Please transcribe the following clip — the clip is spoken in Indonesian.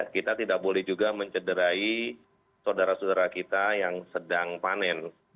kita tidak boleh juga mencederai saudara saudara kita yang sedang panen